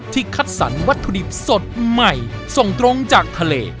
คัดสรรวัตถุดิบสดใหม่ส่งตรงจากทะเล